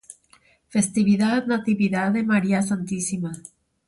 Festividad Natividad de María Santísima.